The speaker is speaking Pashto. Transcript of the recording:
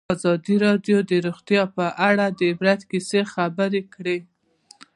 ازادي راډیو د روغتیا په اړه د عبرت کیسې خبر کړي.